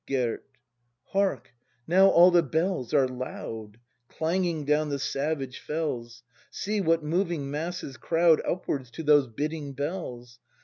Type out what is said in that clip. Gerd. Hark; now all the bells are loud. Clanging down the savage fells! See, what moving masses crowd Upwards to those bidding bells!